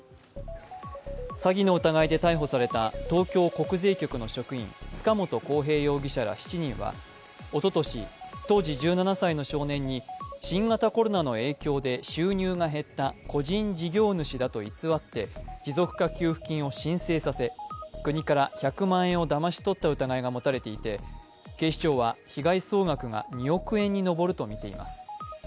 詐欺の疑いで逮捕された東京国税局の職員、塚本晃平容疑者ら７人はおととし、当時１７歳の少年に新型コロナの影響で収入が減った個人事業主だと偽って持続化給付金を申請させ国から１００万円をだまし取った疑いが持たれていてい警視庁は被害総額が２億円に上るとみています。